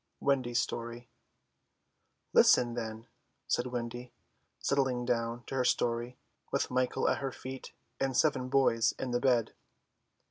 WENDY'S STORY "Listen, then," said Wendy, settling down to her story, with Michael at her feet and seven boys in the bed.